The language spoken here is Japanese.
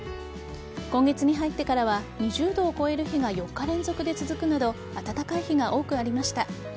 今月に入ってからは２０度を超える日が４日連続で続くなど暖かい日が多くありました。